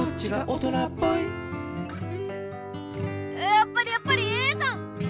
やっぱりやっぱりＡさん！